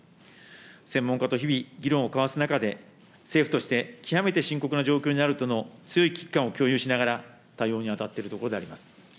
専門家と日々、議論を交わす中で、政府として極めて深刻な状況にあるとの強い危機感を共有しながら、対応に当たっているところであります。